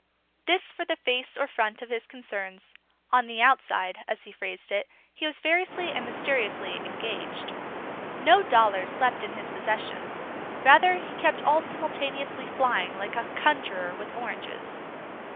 This for the face or front of his concerns. "On the outside," as he phrased it, he was variously and mysteriously engaged. No dollar slept in his possession; rather he kept all simultaneously flying like a conjurer with oranges.